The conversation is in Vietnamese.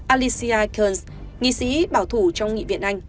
alicia kearns nghị sĩ bảo thủ trong nghị viện anh